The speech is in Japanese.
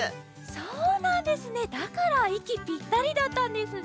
そうなんですねだからいきピッタリだったんですね。